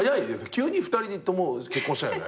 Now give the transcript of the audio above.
急に２人とも結婚したよね。